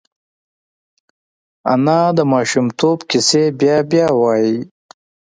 انا د ماشومتوب کیسې بیا بیا وايي